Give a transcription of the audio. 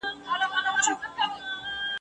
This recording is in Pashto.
یوه ورځ یې پر چینه اوبه چښلې !.